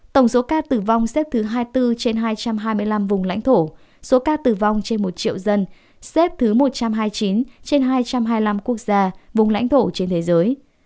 tổng số ca tử vong xếp thứ hai mươi bốn trên hai trăm hai mươi năm vùng lãnh thổ số ca tử vong trên một triệu dân xếp thứ một trăm hai mươi chín trên hai trăm hai mươi năm quốc gia vùng lãnh thổ trên thế giới